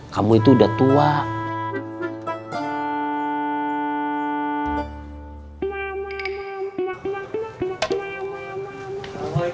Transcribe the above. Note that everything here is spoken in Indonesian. kamu tuh kalo puasa ga boleh gitu